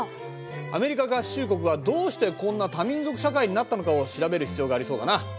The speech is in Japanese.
アメリカ合衆国はどうしてこんな多民族社会になったのかを調べる必要がありそうだな。